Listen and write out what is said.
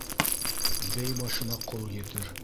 Бей башына ҡол етер.